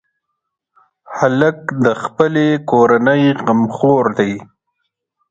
هلک د خپلې کورنۍ غمخور دی.